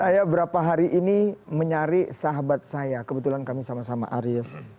saya berapa hari ini mencari sahabat saya kebetulan kami sama sama aris